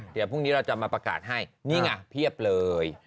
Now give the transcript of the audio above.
เดี๋ยวพรุ่งนี้เราจะมาประกาศให้นี่ไงเพียบเลย